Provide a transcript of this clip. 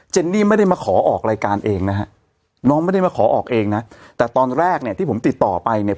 นี่ไม่ได้มาขอออกรายการเองนะฮะน้องไม่ได้มาขอออกเองนะแต่ตอนแรกเนี่ยที่ผมติดต่อไปเนี่ย